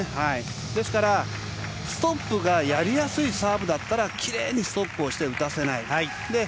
ですからストップがやりやすいサーブならきれいにストップをして打たせない。